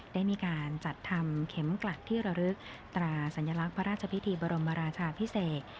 ได้มีการจัดทำเข็มกลักที่ระลึกตราสัญลักษณ์พระราชพิธีบรมราชาพิเศษ